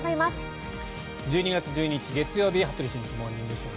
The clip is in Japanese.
１２月１２日、月曜日「羽鳥慎一モーニングショー」。